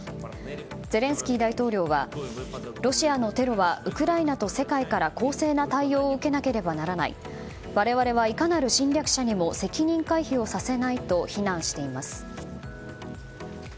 ゼレンスキー大統領はロシアのテロはウクライナと世界から公正な対応を受けなければならない我々は、いかなる侵略者にも責任回避をさせないと非難しています。